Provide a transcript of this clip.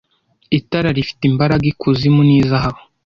itara rifite imbaraga ikuzimu ni zahabu